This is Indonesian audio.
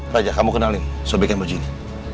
raja kamu kenalin sobekkan baju ini